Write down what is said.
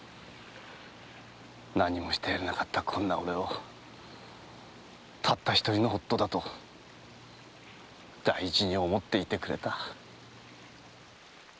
何もしてやれなかったこんな俺をたった一人の夫だと大事に思っていてくれた。